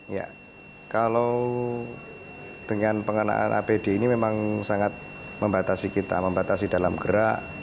ya kalau dengan pengenaan apd ini memang sangat membatasi kita membatasi dalam gerak